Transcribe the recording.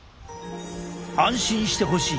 安心してほしい。